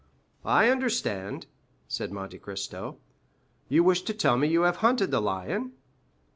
"I understand," said Monte Cristo; "you wish to tell me you have hunted the lion?"